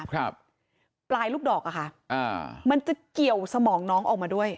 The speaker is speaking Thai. ปลายลูกดอกอะค่ะอ่ามันจะเกี่ยวสมองน้องออกมาด้วย